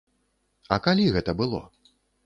А калі гэта было?